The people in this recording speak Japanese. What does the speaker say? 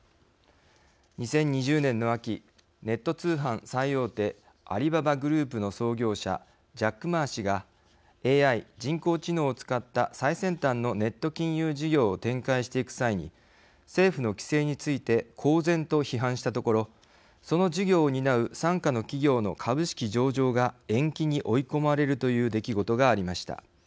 ２０２０年の秋ネット通販最大手アリババグループの創業者ジャック・マー氏がＡＩ＝人工知能を使った最先端のネット金融事業を展開していく際に政府の規制について公然と批判したところその事業を担う傘下の企業の株式上場が延期に追い込まれるという出来事がありました。